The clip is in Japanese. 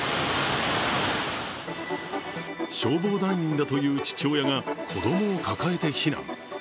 消防団員だという父親が子供を抱えて避難。